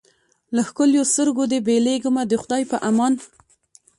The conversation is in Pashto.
له ښکلیو سترګو دي بېلېږمه د خدای په امان